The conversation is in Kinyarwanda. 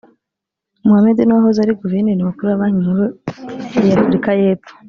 Mohammed n’uwahoze ari Guverineri Mukuru wa Banki Nkuru ya Afurika y’Epfo